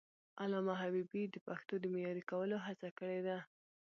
علامه حبيبي د پښتو د معیاري کولو هڅه کړې ده.